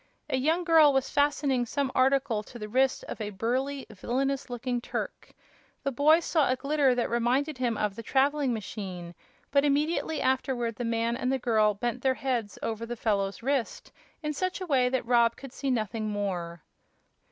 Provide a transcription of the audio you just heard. A young girl was fastening some article to the wrist of a burly, villainous looking Turk. The boy saw a glitter that reminded him of the traveling machine, but immediately afterward the man and the girl bent their heads over the fellow's wrist in such a way that Rob could see nothing more.